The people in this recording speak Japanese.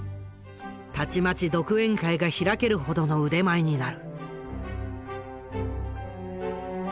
たちまち独演会が開けるほどの腕前になる。